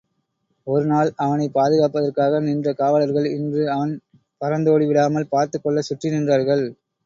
ஒரு நாள் அவனைப் பாதுகாப்பதற்காக நின்ற காவலர்கள், இன்று அவன் பறந்தோடிவிடாமல் பார்த்துக் கொள்ளச் சுற்றி நின்றார்கள்.